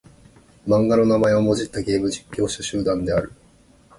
漫画の名前をもじったゲーム実況者集団である。